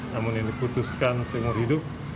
namun ini diputuskan seumur hidup